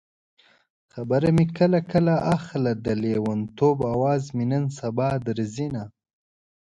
خبر مې کله کله اخله د لېونتوب اواز مې نن سبا درځينه